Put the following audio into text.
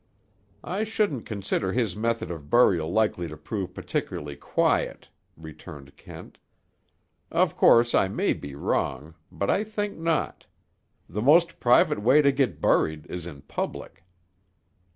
"I shouldn't consider his method of burial likely to prove particularly quiet," returned Kent. "Of course I may be wrong; but I think not. The most private way to get buried is in public."